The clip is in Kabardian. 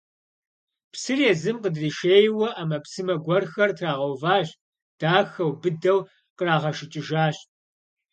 Псыр езым къыдришейуэ ӏэмэпсымэ гуэрхэр трагъэуващ, дахэу, быдэу кърагъэжыкӏыжащ.